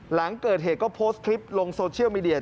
หลังเกิดเหตุก็โพสต์คลิปลงโซเชียลมีเดีย